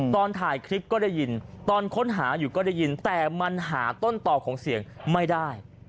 ตอนถ่ายคลิปก็ได้ยินตอนค้นหาอยู่ก็ได้ยินแต่มันหาต้นต่อของเสียงไม่ได้